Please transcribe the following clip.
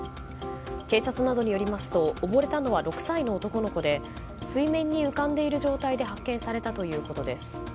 警察などによりますと溺れたのは６歳の男の子で水面に浮かんでいる状態で発見されたということです。